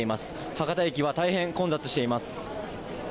博多駅は大変混雑しています。